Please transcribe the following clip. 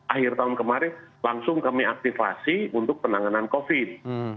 akhir tahun kemarin langsung kami aktifasi untuk penanganan covid